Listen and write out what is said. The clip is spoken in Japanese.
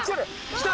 来た。